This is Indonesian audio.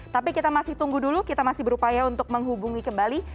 tapi kita masih tunggu dulu kita masih berupaya untuk menghubungi kembali